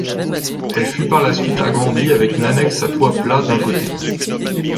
Elle fut par la suite agrandie avec une annexe à toit plat d’un côté.